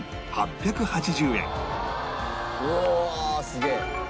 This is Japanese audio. うわあすげえ！